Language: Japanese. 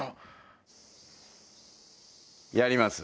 やります。